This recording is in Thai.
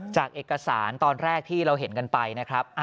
จากเอกสารตอนแรกที่เราเห็นกันไปนะครับ